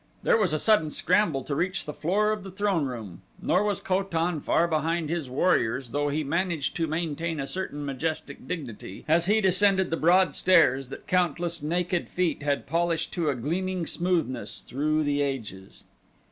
There was a sudden scramble to reach the floor of the throne room, nor was Ko tan far behind his warriors, though he managed to maintain a certain majestic dignity as he descended the broad stairs that countless naked feet had polished to a gleaming smoothness through the ages.